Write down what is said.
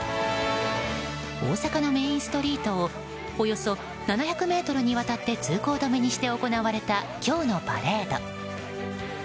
大阪のメインストリートをおよそ７００ｍにわたって通行止めにして行われた今日のパレード。